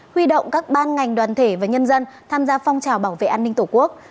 huy động các ban ngành đoàn thể và nhân dân tham gia phong trào bảo vệ an ninh tổ quốc